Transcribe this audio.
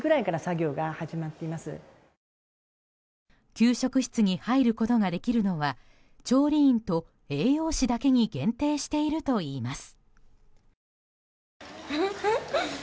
給食室に入ることができるのは調理員と栄養士だけに限定しているといいます。